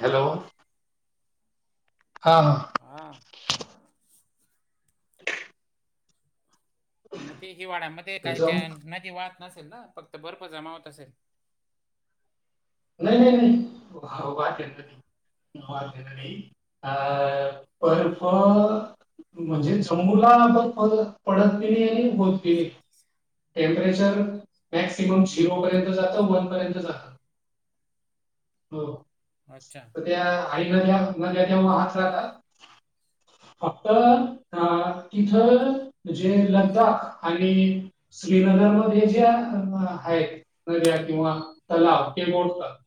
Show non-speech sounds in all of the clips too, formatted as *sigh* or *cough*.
Hello. हा हा. हां. मग ते हिवाड्यामध्ये काय जाऊ त्या नदी वाहत नसेल ना, फक्त बर्फ जमाव होत असेल. नाही नाही नाही *unintelligible* अ बर्फ म्हणजे जम्मूला बर्फ पडते. मग ते टेम्परेचर मॅक्सिमम फक्त झिरोपर्यंत जातं वन पर्यंत जातं. हो. अच्छा. तर त्या आई नद्या मग त्याच्यामुळं वाहत राहतात. फक्त अ तिथं म्हणजे लगदा आणि श्रीनगरमध्ये ज्या हायत नद्या किंवा तलाव ते मोडतात.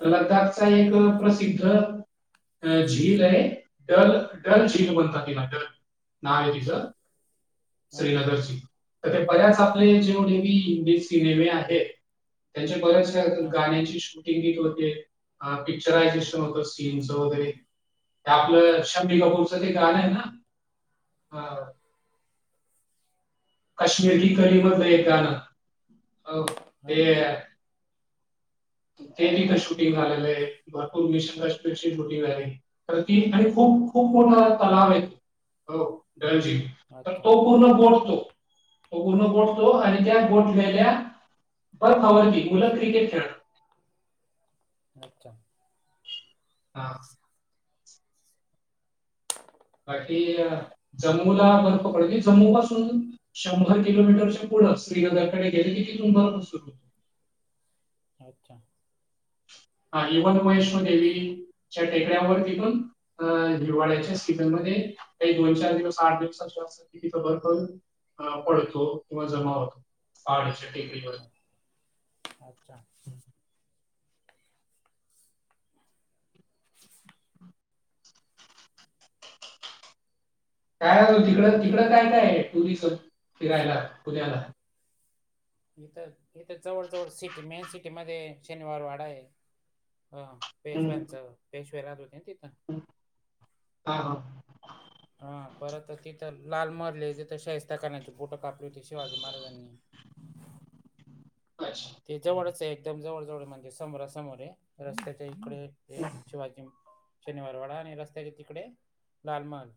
ते लदाखचा एक अच्छा प्रसिद्ध अ झील आहे डल डल झील म्हणतात तिला डल, नाव आहे तिचं. हा हा श्रीनगरची. तर ते बऱ्याच आपले अच्छा जेव नेवी मीच दिलेली आहे. त्यांच्या बऱ्याच कार्य हा गाण्याची शूट सिंगिंग होते. अ पिक्चर हाय *unintelligible* सीनचं वगैरे ते अच्छा आपलं *unintelligible* एक गाणं आहे ना हा. काश्मीर कली मधलं एक गाणं, अ हा ते हा डेली इथं शूटिंग झालेलं आहे, भरपूर *unintelligible* शूटिंग झाली. तर ती आणि खूप खूप मोठा तलाव आहे, हो डळजी तर अच्छा तो पूर्ण गोठतो, तो पूर्ण गोठतो आणि त्या पूर्ण वेल्या बर्फावरती मुलं क्रिकेट खेळणार. अच्छा. हां. *inaudible* बाकी जम्मूला बर्फ पडते, जम्मू पासून शंभर किलोमीटरच्या पुढं, श्रीनगरकडे गेले की तिथून पण सुरू होतो. अच्छा. *unintelligible* च्या टेकड्यावरती पण *unintelligible* अं हिवाळ्याच्या सीझनमध्ये एक मिनिटात तिथं *unintelligible* बर्फ अं पडतो किंवा जमा होतो *unintelligible* टेकडीवर. अच्छा. *inaudible* काय झालं तिकडं, आमच्या तिकडं इथं काय नाय. तू बी चल फिरायला पुण्याला. इथं जवळ जवळ सिटी मेन सिटीमध्ये शनिवार वाडा हाय. अ हम्म. पेशव्यांचा, पेशवे रात होते ना तिथं. हा हा. हां परत तिथं लाल महल हाय तिथं शाहिस्ताखान्याचे बोटं कापले होते शिवाजी महाराजांनी. अच्छा. ते जवळचये एकदम जवळ जवळ म्हणजे समोरा समोर ये रस्त्याच्या इकडे. हे शिवाजीम, शनिवारवाडा आणि रस्त्याच्या तिकडे लाल महल.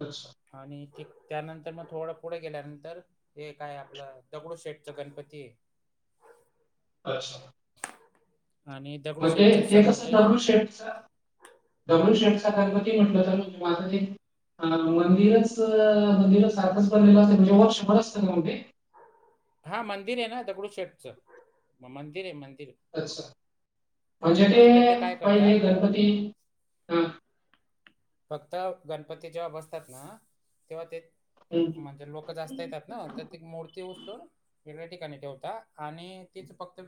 अच्छा. आणि एक, त्यानंतर मग थोडं पुढे गेल्यानंतर, एक काय आपलं दगडू शेटच गणपती. ते अस *inaudible* आणि त्या मग ते, ते कसं दगडू शेटच दगडू शेटचा गणपती म्हटलं तरी, माझं ते अ -मंदिराच -मंदिरासारखे *unintelligible* वर्षभर *unintelligible* हा मंदिरेना दगडू शेठचं, मंदिर ये मंदिर. अच्छा, म्हणजे फक्त ते- काय करतात पाहिले गणपती ह फक्त, गणपती जेव्हा बसतात ना तेव्हा ते हम्म. म्हणजे लोक जास्त येतात ना, तर ती मूर्ती उचलून वेगळ्या ठिकाणी ठेवता आणि तेच फक्त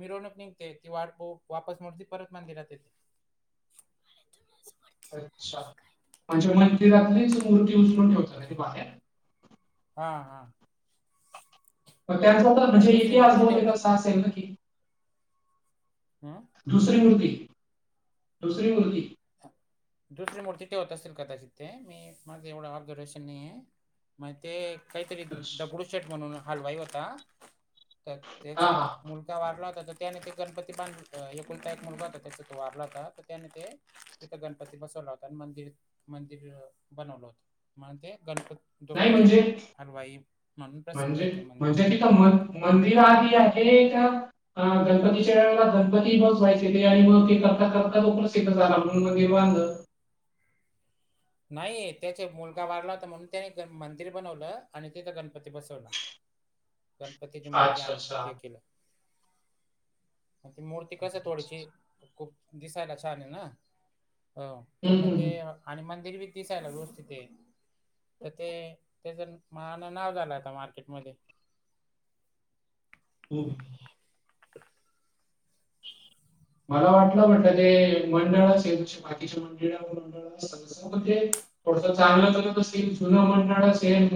मिरवणूक निघते ती वाढपो वापस मग ती परत मंदिरात येते. अच्छा, म्हणजे मंदिरातलीच मूर्ती उचलून ठेवता ती बाहेर. हा हा. का दुसरी मूर्ती ठेवता *unintelligible* हं दुसरी मूर्ती, दुसरी मूर्ती. दुसरी मूर्तीि ठेवत असेतील कदाचित ते मी माझं एवढं ऑब्झर्वेशन नईये. मग ते काहीतरी अच्छा दगडू शेट म्हणून हलवाई होता तर हा त्याचा हा मुलगा वारला होता तर त्याने ते गणपती पाण्यात एकुलता एक मुलगा होता त्याचा तो वारला होता तर त्याने ते तिथं गणपती बसवला होता न मंदिर, मंदिर बनवलं होतं म्हणून ते गणपती दगडू नाही शेट म्हणजे हलवाई म्हणून प्रसिद्ध्यये ते मंदिर. म मंदिर आधी आहे का? ह गणपतीच्या वेळेला गणपती बसवायचे ते आणि मग ते करता करता तो प्रसिद्ध झाला म्हणून मंदिर बांधल. नाही त्याचा मुलगा वारला होता म्हणून त्याने मंदिर बनवलं आणि तिथं गणपती बसवला. गणपतीची मूर्ती अच्छा आणून अच्छा. हे केलं. ती मूर्ती कस थोडीशी, खूप दिसायला छान ये ना? अ तर हम्म मग हम्म ते आणि मंदिर बी दिसायला व्यवस्थित ये. तर ते, त्याच मा नाव झालं आता मार्केटमध्ये. *inaudible* मला वाटलं म्हटल ते मंडळच ये दुसरे बाकीच्या मंडळ मंडळ *unintelligible* हो ते, थोडंस चांगलं असेल जुन मंडळ असेल.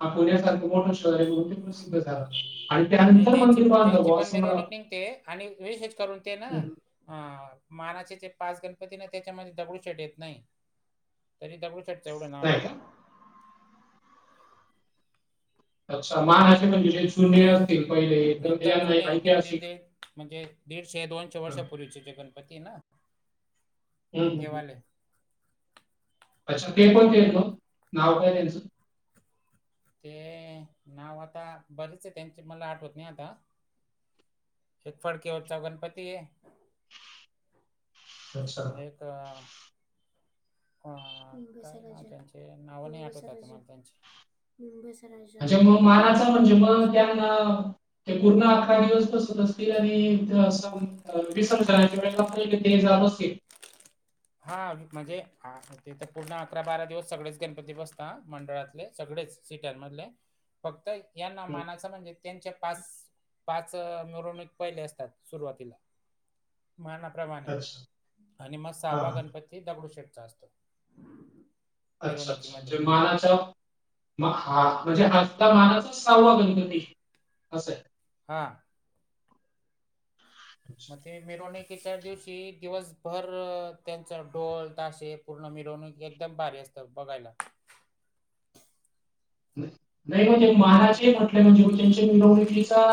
हा पुण्यासारखं मोठं शहर आहे मंदिर प्रसिद्ध झालं आणि त्यानंतर मंदिर बांधला बुवा असं मला ते आणि विशे्ष करून ते ना हम्म, अ मानाचे जे पाच गणपती ना, त्याच्यामध्ये दगडू शेट येत नाही. तरी दगडू शेठचं एवढं नाव नाही आहे. का अच्छा, महाराष्ट्र म्हणजे जे जुने असतील पहिले एकदम त्यांना जुने दीड दीड ऐतिहासिक दीड म्हणजे दीडशे दोनशे हम्म, वर्षापूर्वीचे जे गणपती ना? हम्म. तेवाले अच्छा ते कोणते त मग? नाव काय त्यांचं? ते नाव आता बरच आहे त्यांचे मला आठवत नाही आता. हे फडके वरचा गणपती. अच्छा. का. हा हा त्यांचे नाव नाही आठवत आता मला त्यांचे. हम्म बसराज. अच्छा मग मानाचा म्हणजे मग त्यांना. ते पूर्ण अकरा दिवस बसत असतील आणि इथं असं. अं विसर्जनाच्या वेळेला पण ते जात असेल. हा म्हणजे हा तिथं पूर्ण अकरा बारा दिवस सगळेच गणपती बसता मंडळातले सगळेच. सिटर मधले फक्त यांना मानाचा म्हणजे. त्यांच्या पाच पाच मिरवणूक पहिले असतात सुरुवातीला. मानाप्रमाणे अच्छा आणि मग हा सहावा हा गणपती. दगडूशेटचा असतो. अच्छा अच्छा मिरवणुकीमध्ये म्हणजे मानाचा. मग हा म्हणजे आता मानाचा सहावा गणपती असंय. हा. अच्छा. मग ते मिरवणुकीच्या दिवशी दिवसभर त्यांचा ढोल ताशे. पूर्ण मिरवणूक एकदम भारी असतं बघायला. नाही म्हणजे आम्ही मानाचे कधी म्हटले म्हणजे कुठले. मिरवणुकीचा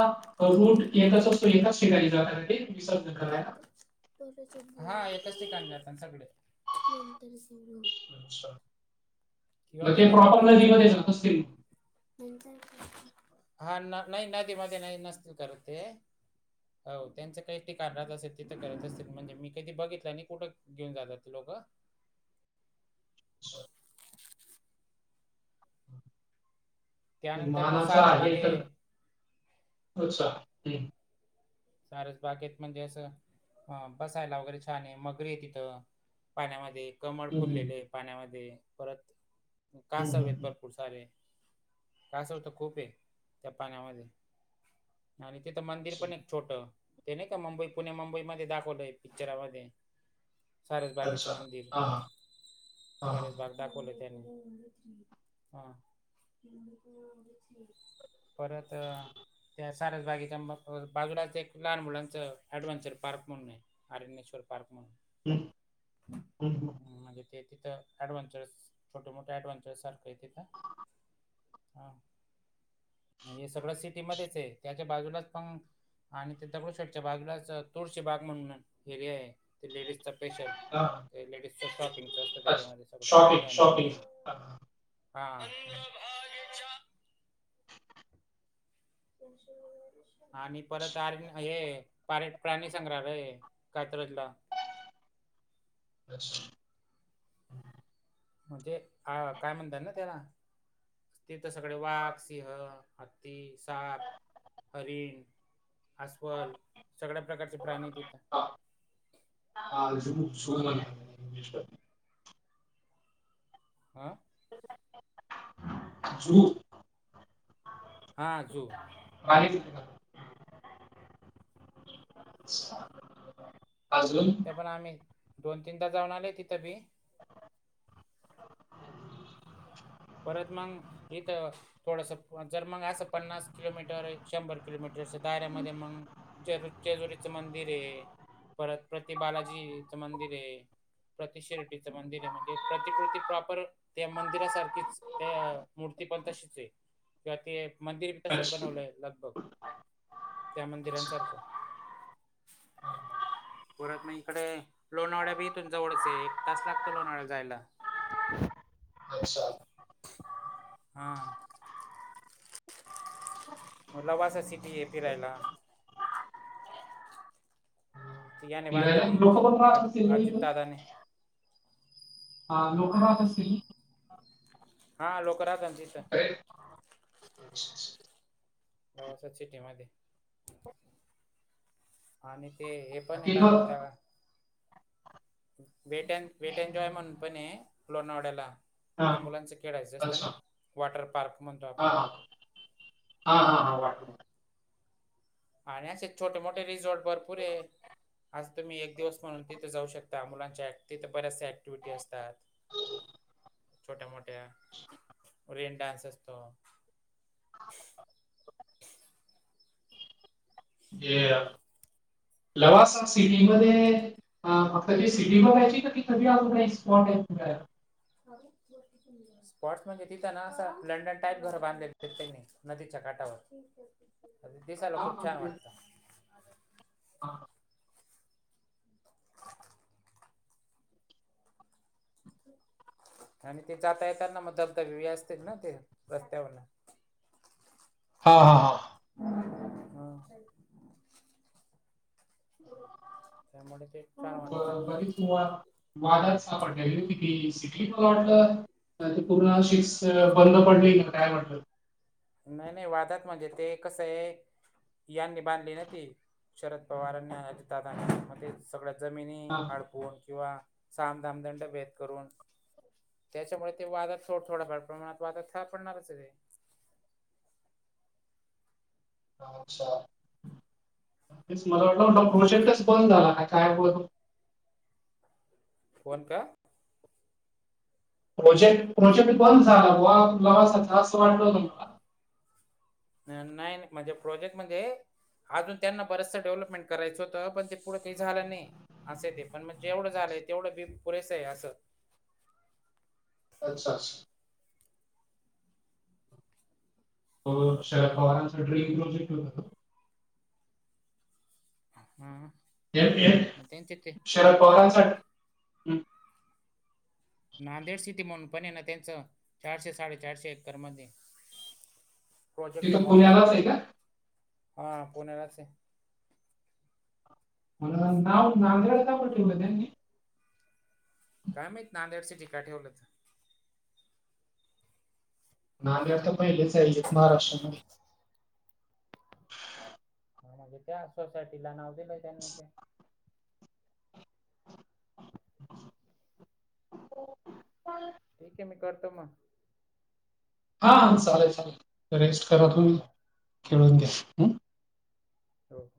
रूट एकच असतो एकाच ठिकाणी जाता का ते विसर्जन करायला. हा एकाच ठिकाणी जाता सगळे. अच्छा किंवा मिरवणूक घेऊन चल मग. असे. हा न नाही नदीमध्ये नाही नसतील करत ते. हो त्यांचं काही ते कारणात असेल तिथं करत असतील म्हणजे मी कधी बघितलं नाही कुठं. घेऊन जातात ती लोकं. *inaudible* त्यानंतर मग मानाचा सारस आहे बाग तर उत्साह. सारस बागेत म्हणजे असं अं बसायला वगैरे छान आहे मगरी आहे तिथं. पाण्यामध्ये कमळ हम्म, हम्म, फुललेले पाण्यामध्ये परत हम्म, कासवेत. हम्म. खुप सारे कासव तर खूप आहे त्या पाण्यामध्ये. आणि तिथं मंदिर पण आहे एक छोटं ते नाही का मुंबई पुणे मुंबई मध्ये दाखवलंय पिक्चरामध्ये. सारसबागेचं अच्छा मंदिर हा हा सारसबाग. दाखवलय त्यांनी हा. परत त्या सारसबागेच्या. *unintelligible* *unintelligible* एक लहान मुलांच ॲडव्हेंचर पार्क म्हणून आहे आरणेश्वर पार्क म्हणून. हं हं हं म्हणजे ते तिथं. ॲडव्हेंचरस छोटे मोठे ॲडव्हेंचर सारखे आहे तिथं. हा हे सगळं सिटी मध्येच आहे त्याच्या बाजूलाच पहा. आणि तिथं दगडूशेठच्या बाजूलाच तुळशीबाग म्हणून एरिया हाय लेडीजचा स्पेशल. हा लेडीजच शॉपिंगच असतं अच्छा त्याच्यामध्ये शॉपिंग सगळं. शॉपिंग हा हा *unintelligible* हा. आणि परत आली हाये. परत प्राणी संग्रहालय हाय कात्रजला. *unintelligible* म्हणजे अ काय म्हणतात ना त्याला. तिथं सगळे वाघ, हत्ती, साप, हरीण अस्वल सगळ्या प्रकारचे प्राणी हाय तिथं. शोध *unintelligible* अ? जु *unintelligible* हा झळ. मा *unintelligible* त्या पण आम्ही दोन तीनदा जाऊन आलोय तिथं बी. परत मग इथं थोडस जर मग असं पन्नास किलोमीटर शंभर किलोमीटरच्या दाऱ्यामध्ये मग जेजू जेजुरीचा मंदिर आहे परत प्रति बालाजीचे मंदिर आहे. प्रती शिर्डीचं मंदिर आहे म्हणजे प्रत्येक कृती प्रॉपर त्या मंदिरासारखी त्या मूर्ती पण तशीच आहे किंवा त मंदिर भी तसंच अच्छा बनवलय लगबग त्या अच्छा मंदिरांसारखं परत इकडं लोणावळाबी जवळ हाय एक तास लागतो लोणावळ्याला जायला. अच्छा. हा. लवासा सिटी आहे फिरायला. याने फिरायला बांधलेली लोक पण राहत असतील अजित ना अजित तिथं दादाने. ह लोक राहात असतील की *unintelligible* हा लोक राहतात ना तिथं. अरे *unintelligible* लवासा सिटी मध्ये *unintelligible* आणि ते हे पण हाय काय तिथं म्हणता wait enjoy and wait and जाँय म्हणून पण हाय लोणावळ्याला. हा ती मुलांचं खेळायचं असतं अच्छा वॉटर पार्क म्हणतो हा आपण हा हा. आणि असे छोटे मोठे रिझॉर्ट भरपूर आहे. आज तुम्ही एक दिवस म्हणून तिथे जाऊ शकता मुलांच्या तिथे बऱ्याच्या अँक्टिविटी असतात. छोट्या मोठ्या रेन डान्स असतो. हे लवासा सिटी मध्ये अ फक्त ती सिटी बघायची का ती थ अजूनही एक स्पॉट आहे त कयला *unintelligible* अ *unintelligible* स्पॉट्स म्हणजे तिथं ना असं लंडन टाईप घर बांधले त्यांनी नदीच्या काठावर. अ दिसायला हा खूप हा छान वाटतं. आणि ते जाता येताना मग धबधबे व असते ना ते रस्त्यावरन. हा हा हा. हा *unintelligible* त्यामुळे ते छान वाटतं. तु्हाला वादात सापड किती पण वाटलं *unintelligible* ते पूर्ण अ शिक्स बंद पडले का काय म्हटलं *unintelligible* नाही नाही वादात म्हणजे ते कसं आहे यांनी बांधली ना ती शरद पवारांनी अजित दादा मध्ये सगळ्या जमिनी हडपून किंवा सामधामदंड भेद करून त्यांच्यामुळे ते वादात थोडं थोड्याप्रमाणात वादात सापडणारच आहे ते. अच्छा तेच मला वाटल प्रोजेक्टच बंद झाला का काय. फोन का. प्रोजेक्ट प्रोजेक्ट बंद झाला बुवा *unintelligible* असं वाटलं होतं मला. नाही नाही म्हणजे प्रोजेक्ट मध्ये. अजून त्यांना बरंचस डेव्हलपमेंट करायचं होतं. पण ते पुढे काही झालं नाही. असं ते पण म्हणजे जेवढं झालंय, तेवढं बी पुरेसं आहे असं. अच्छा अच्छा. शरद पवारांचा ड्रीम *unintelligible* हा आ. तेच तेच शरद पवारांसाठी. नांदेड सिटी म्हणून पण आहे ना त्यांचं चारशे साडेचारशे एकरमध्ये. प्रोजेक्ट तिथं मोठा पुण्यालाच आहे का हा पुणेलाच हाय. मला नाव नांदेड का बरं ठेवलं त्यांनी. काय माहित नांदेड सिटी का ठेवलंत. नांदेड तर पहिलाच चाले महाराष्ट्र मधे. ह म्हणजे त्या सोसायटीला नाव दिलंय त्यांनी ते. *inaudible* ठीक आहे मी करतो मग. हा चालेल चालेल रेस्ट करा, तुम्ही बर खेळून घ्या हम्म. हो.